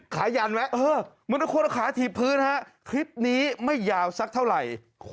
ขายันไว้